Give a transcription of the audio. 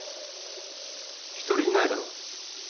一人いないだろ。